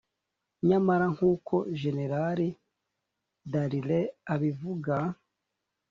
nyamara nkuko jenerali dallaire abivuga,